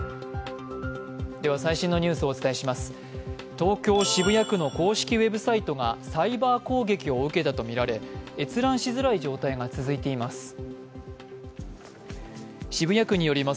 東京・渋谷区の公式ウェブサイトがサイバー攻撃を受けたとみられ閲覧しづらい状態が続いています。